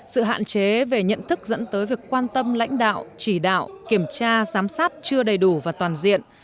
sự hạn chế về nhận thức dẫn tới việc quan tâm lãnh đạo chỉ đạo kiểm tra giám sát chưa đầy đủ và toàn diện